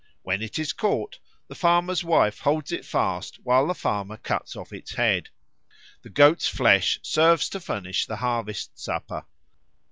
When it is caught, the farmer's wife holds it fast while the farmer cuts off its head. The goat's flesh serves to furnish the harvest supper.